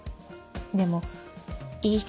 でもいい人